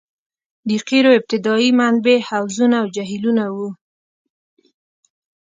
د قیرو ابتدايي منبع حوضونه او جهیلونه وو